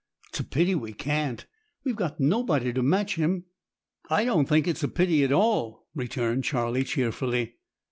"It's a pity we can't. We've got nobody to match him." "I don't think it's a pity at all," returned Charlie cheerfully.